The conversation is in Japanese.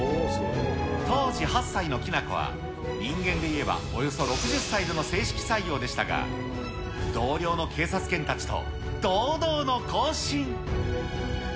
当時、８歳のきな子は、人間でいえばおよそ６０歳での正式採用でしたが、同僚の警察犬たちと堂々の行進。